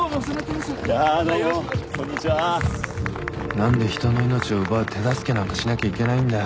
何で人の命を奪う手助けなんかしなきゃいけないんだよ。